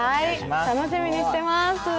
楽しみにしてます。